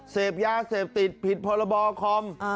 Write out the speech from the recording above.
เสพยาเสพติดผิดพรบคอม